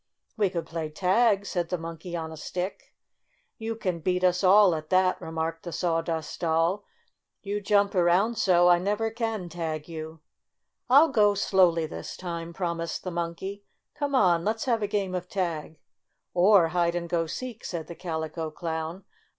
"We could play tag!" said the Monkey on a Stick. "You can beat us all at that," remarked the Sawdust Doll. "You jump around so I never can tag you." "I'll go slowly this time," promised the Monkey. "Come on — let's have a game of tag!" "Or hide and go seek!" said the Calico Clown.